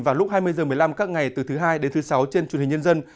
vào lúc hai mươi h một mươi năm các ngày từ thứ hai đến thứ sáu trên truyền hình nhân dân